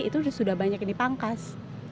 itu sudah banyak yang dipangkas